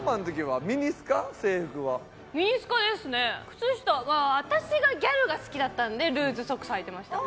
靴下が私がギャルが好きだったんでルーズソックスはいてました。